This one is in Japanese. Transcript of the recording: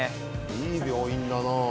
いい病院だなぁ。